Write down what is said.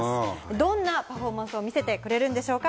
どんなパフォーマンスを見せてくれるんでしょうか？